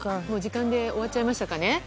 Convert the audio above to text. もう時間で終わっちゃいましたかね。